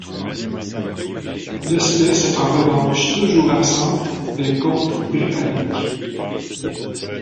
L'espèce est en revanche toujours absente des côtes britanniques.